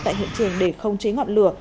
tại hiện trường để không chế ngọn lửa